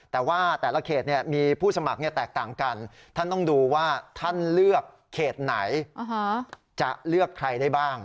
แต่ว่าแต่ละเขตมีผู้สมัครแตกต่างกันท่านต้องดูว่าท่านเลือกเขตไหนจะเลือกใครได้บ้าง